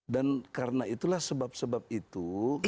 dan karena itulah sebab sebab itu